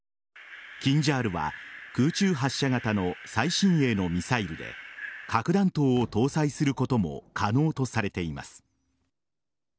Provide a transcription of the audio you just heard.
キンジャールは空中発射型の最新鋭のミサイルで核弾頭を搭載することも可能とされています。